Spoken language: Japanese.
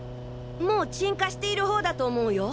もう鎮火している方だと思うよ。